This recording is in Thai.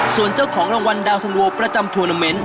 ส่วนเจ้าของรางวัลดาวสันโวประจำทวนาเมนต์